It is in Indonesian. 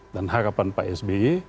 dan harapan pak sby